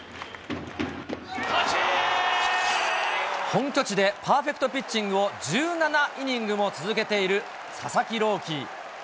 本拠地でパーフェクトピッチングを１７イニングも続けている佐々木朗希。